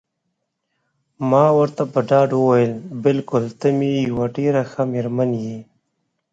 ما ورته په ډاډ وویل: بلکل ته مې یوه ډېره ښه میرمن یې.